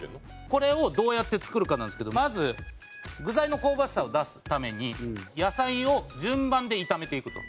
これをどうやって作るかなんですけどまず具材の香ばしさを出すために野菜を順番で炒めていくと。